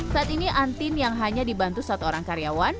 saat ini antin yang hanya dibantu satu orang karyawan